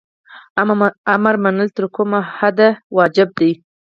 امر منل تر کومه حده واجب دي؟